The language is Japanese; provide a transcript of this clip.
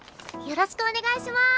よろしくお願いします。